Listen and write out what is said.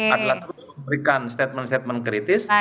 adalah memberikan statement statement kritis